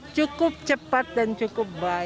cukup cepat dan cukup baik